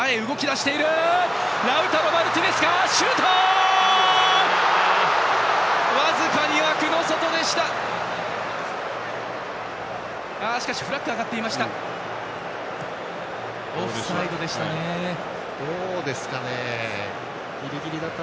しかしフラッグが上がっていました。